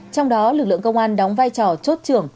trong đó lực lượng công an đóng vai trò chốt trưởng